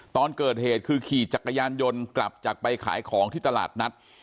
ตอนเกิดเหตุคือขี่จักรยานยนต์กลับจากไปขายของที่ตลาดนัด